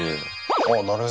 あなるほど。